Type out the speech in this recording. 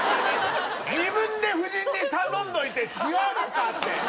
自分で夫人に頼んどいて違うのかって。